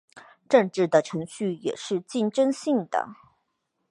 政治的程序也是竞争性的。